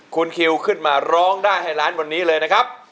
คุณคิวขึ้นมาร้องได้ให้ล้านวันนี้เลยนะครับ